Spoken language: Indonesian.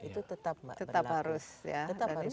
itu tetap harus dilakukan